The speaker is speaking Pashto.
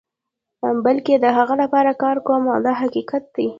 بلکې د هغو لپاره کار کوم دا حقیقت دی.